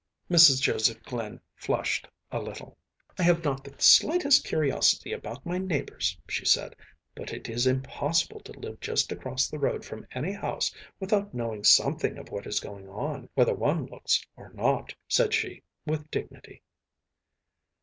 Mrs. Joseph Glynn flushed a little. “I have not the slightest curiosity about my neighbors,‚ÄĚ she said, “but it is impossible to live just across the road from any house without knowing something of what is going on, whether one looks or not,‚ÄĚ said she, with dignity.